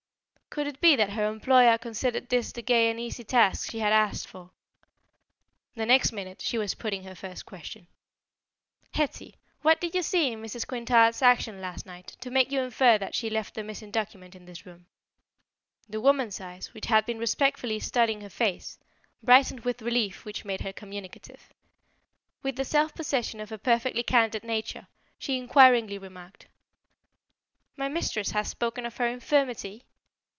Could it be that her employer considered this the gay and easy task she had asked for? The next minute she was putting her first question: "Hetty, what did you see in Mrs. Quintard's action last night, to make you infer that she left the missing document in this room?" The woman's eyes, which had been respectfully studying her face, brightened with a relief which made her communicative. With the self possession of a perfectly candid nature, she inquiringly remarked: "My mistress has spoken of her infirmity?"